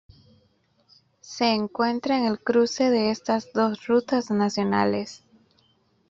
Se encuentra en el cruce de estas dos rutas nacionales.